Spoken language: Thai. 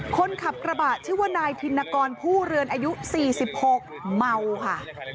คนขับกระบะชื่อว่านายธินกรผู้เรือนอายุ๔๖เมาค่ะ